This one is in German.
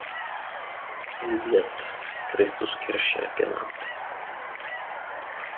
Sie wird „Christuskirche“ genannt.